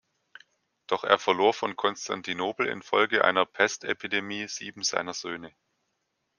Doch er verlor vor Konstantinopel infolge einer Pestepidemie sieben seiner Söhne.